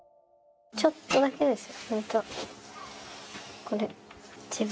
ちょっとだけですよ。